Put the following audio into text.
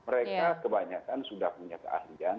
mereka kebanyakan sudah punya keahlian